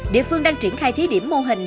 địa phương đang triển khai thí điểm mô hình